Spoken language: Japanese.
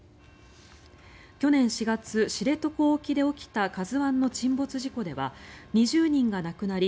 去年４月、知床沖で起きた「ＫＡＺＵ１」の沈没事故では２０人が亡くなり